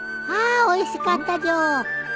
ああおいしかったじょ。